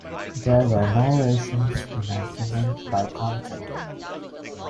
There were no rations in an innings by Compton.